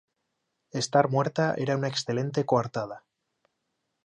estar muerta era una excelente coartada